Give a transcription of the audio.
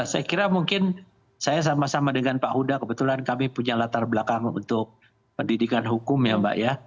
saya kira mungkin saya sama sama dengan pak huda kebetulan kami punya latar belakang untuk pendidikan hukum ya mbak ya